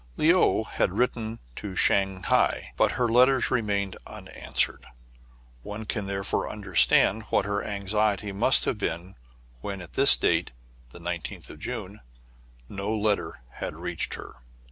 Le ou had written to Shang hai ; but her letters remained unanswered. One can therefore understand what her anxiety must have been, when at this date, the 19th of June, no letter had reached her.